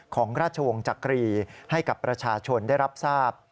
ของราชวงศ์จักรีให้กับประชาชนได้รับทราบ